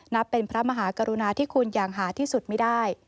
นับเป็นพระมหากรุณาที่คุณอย่างหาที่สุดไม่ได้